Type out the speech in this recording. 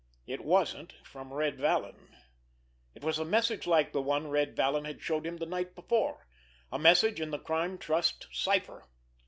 It wasn't from Red Vallon. It was a message like the one Red Vallon had showed him the night before, a message in the Crime Trust's cipher.